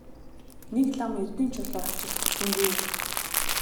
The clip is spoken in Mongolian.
Нэг лам эрдэнийн чулуу авчирч өгсөнгүй юу?